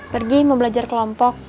pergi mau belajar kelompok